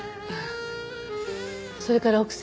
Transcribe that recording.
それから奥様。